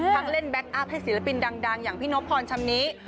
เล่นแบ็คอัพให้ศิลปินดังอย่างพี่นบพรชำนี้